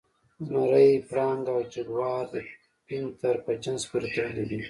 زمری، پړانګ او جګوار د پینتر په جنس پورې تړلي دي.